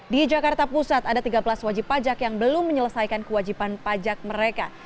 di jakarta pusat ada tiga belas wajib pajak yang belum menyelesaikan kewajiban pajak mereka